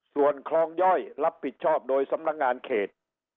ส่วนคลองย่อยรับผิดชอบโดยสำนักงานเขต